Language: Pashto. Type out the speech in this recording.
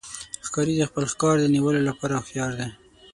ښکاري د خپل ښکار د نیولو لپاره هوښیار دی.